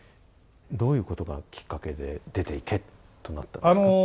どういうことがきっかけで出て行けとなったんですか？